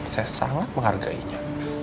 saya sangat menghargainya